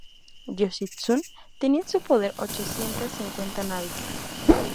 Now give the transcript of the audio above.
Yoshitsune tenía en su poder ochocientas cincuenta naves.